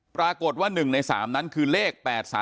ปรากฏว่า๑ใน๓นั้นคือเลข๘๓